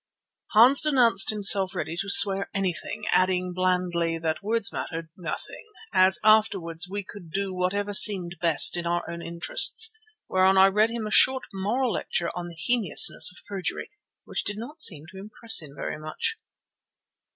Hans announced himself ready to swear anything, adding blandly that words mattered nothing, as afterwards we could do whatever seemed best in our own interests, whereon I read him a short moral lecture on the heinousness of perjury, which did not seem to impress him very much.